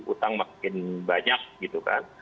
utang makin banyak gitu kan